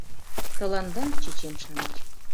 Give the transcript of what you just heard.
Тыланда, чечен-шамыч.